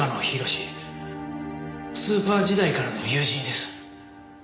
スーパー時代からの友人です。